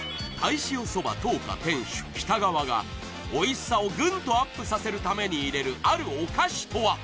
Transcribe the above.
塩そば灯花店主・北川がおいしさをグンとアップさせるために入れるあるお菓子とは？